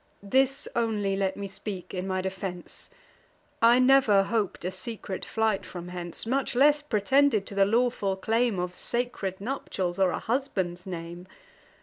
This only let me speak in my defence: I never hop'd a secret flight from hence, Much less pretended to the lawful claim Of sacred nuptials, or a husband's name.